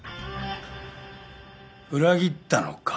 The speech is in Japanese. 裏切ったのか？